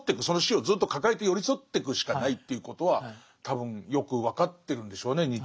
その死をずっと抱えて寄り添ってくしかないということは多分よく分かってるんでしょうね